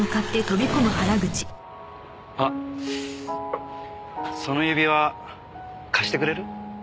あっその指輪貸してくれる？